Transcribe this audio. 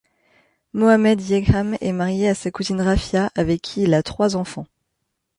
Mohamed Jegham est marié à sa cousine Rafiaa, avec qui il a trois enfants.